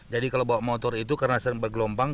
jadi kalau bawa motor itu karena sering bergelombang